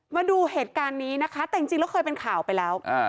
มาดูเหตุการณ์นี้นะคะแต่จริงแล้วเคยเป็นข่าวไปแล้ว